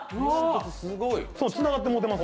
つながってもうてます。